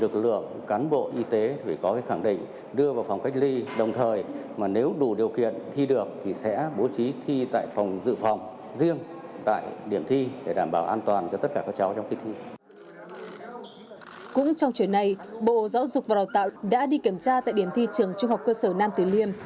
cũng trong trường này bộ giáo dục và đào tạo đã đi kiểm tra tại điểm thi trường trung học cơ sở nam tuyên liêm